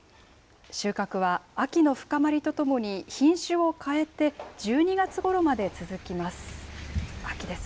収穫は秋の深まりとともに、品種を替えて、１２月ごろまで続きます。